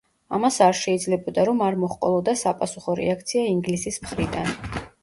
ამას არ შეიძლებოდა, რომ არ მოჰყოლოდა საპასუხო რეაქცია ინგლისის მხრიდან.